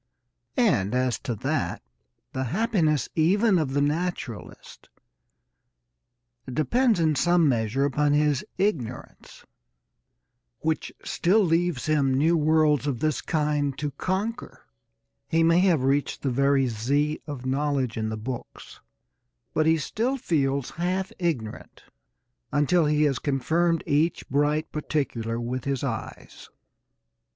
And, as to that, the happiness even of the naturalist depends in some measure upon his ignorance, which still leaves him new worlds of this kind to conquer. He may have reached the very Z of knowledge in the books, but he still feels half ignorant until he has confirmed each bright particular with his eyes.